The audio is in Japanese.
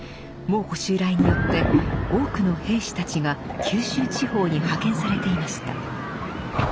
蒙古襲来によって多くの兵士たちが九州地方に派遣されていました。